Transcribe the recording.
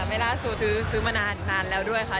ไม่ล่าสุดซื้อมานานแล้วด้วยค่ะ